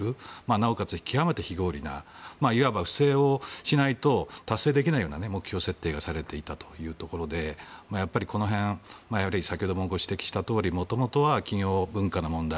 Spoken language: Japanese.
なおかつ極めて非合理ないわば不正をしないと達成できないような目標設定がされていたというところでやっぱり、この辺は先ほどもご指摘したとおりもともとは企業文化の問題